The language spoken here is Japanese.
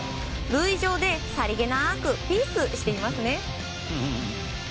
塁上でさりげなくピースしていますね。